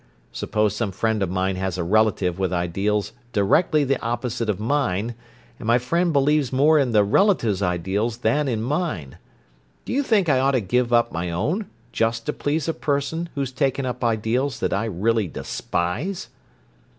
Suppose some friend of mine has a relative with ideals directly the opposite of mine, and my friend believes more in the relative's ideals than in mine: Do you think I ought to give up my own just to please a person who's taken up ideals that I really despise?"